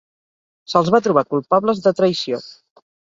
Se'ls va trobar culpables de traïció.